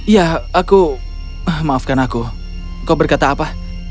ya aku maafkan aku engkau berkata apa